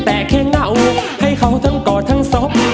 แต่แค่เหงาให้เขาทั้งกอดทั้งศพ